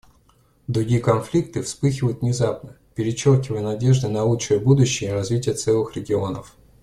Другие конфликты вспыхивают внезапно, перечеркивая надежды на лучшее будущее и развитие целых регионов.